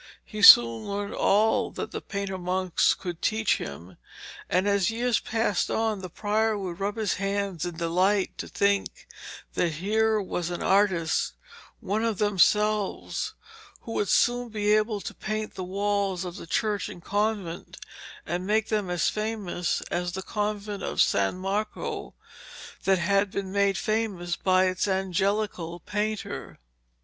He soon learned all that the painter monks could teach him, and as years passed on the prior would rub his hands in delight to think that here was an artist, one of themselves, who would soon be able to paint the walls of the church and convent, and make them as famous as the convent of San Marco had been made famous by its angelical painter.